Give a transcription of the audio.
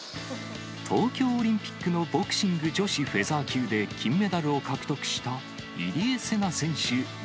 東京オリンピックのボクシング女子フェザー級で金メダルを獲得した入江聖奈選手